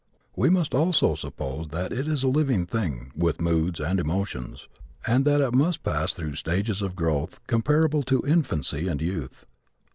We must also suppose that it is a living thing, with moods and emotions, and that it must pass through stages of growth comparable to infancy and youth.